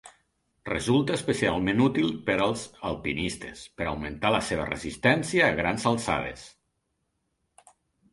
Resulta especialment útil per als alpinistes, per augmentar la seva resistència a grans alçades.